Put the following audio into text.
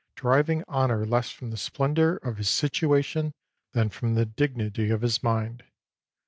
deriving honor less from the splendor of his sit uation than from the dignity of his mind.